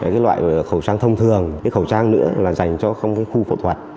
cái loại khẩu trang thông thường cái khẩu trang nữa là dành cho không có khu phẫu thuật